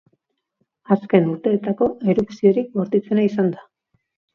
Azken urteetako erupziorik bortitzena izan da.